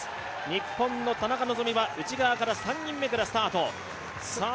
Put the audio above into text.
日本の田中希実は内側から３人目からスタート。